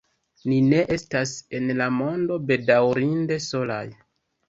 Ni ne estas en la mondo bedaŭrinde solaj!